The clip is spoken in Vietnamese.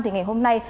thì ngày hôm nay